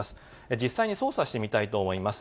実際に操作してみたいと思います。